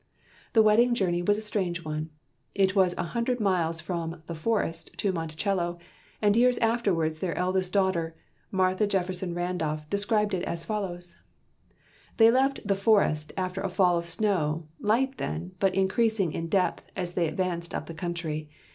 The wedding journey was a strange one. It was a hundred miles from "The Forest" to Monticello, and years afterward their eldest daughter, Martha Jefferson Randolph, described it as follows: "They left 'The Forest' after a fall of snow, light then, but increasing in depth as they advanced up the country.